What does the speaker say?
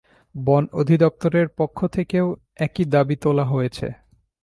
বন অধিদপ্তরের পক্ষ থেকেও একই দাবি তোলা হয়েছে।